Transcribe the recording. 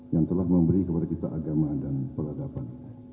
yang telah memberi kepada kita agama dan peradaban